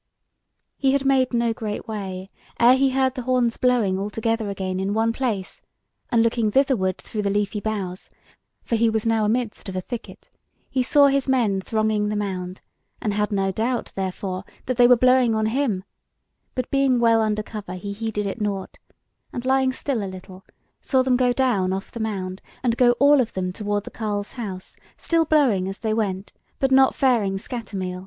He had made no great way ere he heard the horns blowing all together again in one place, and looking thitherward through the leafy boughs (for he was now amidst of a thicket) he saw his men thronging the mound, and had no doubt therefore that they were blowing on him; but being well under cover he heeded it nought, and lying still a little, saw them go down off the mound and go all of them toward the carle's house, still blowing as they went, but not faring scatter meal.